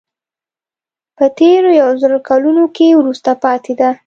په تېرو یو زر کلونو کې وروسته پاتې ده.